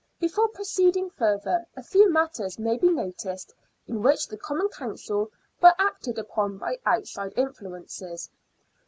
Before proceeding further, a few matters may be noticed in which the Common Council were acted upon by outside influences.